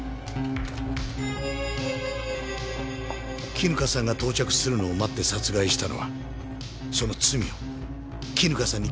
絹香さんが到着するのを待って殺害したのはその罪を絹香さんに着せるためだった。